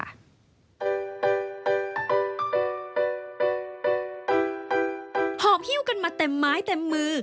หอบฮิ้วกันมาเต็มไม้เต็มมือ